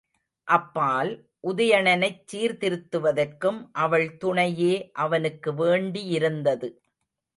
அப்பால், உதயணனைச் சீர்திருத்துவதற்கும் அவள் துணையே அவனுக்கு வேண்டியிருந்தது.